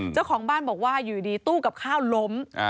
เจ้าของบ้านบอกว่าอยู่ดีตู้กับข้าวล้ม